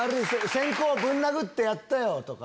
先公ぶん殴ってやったよ！とか。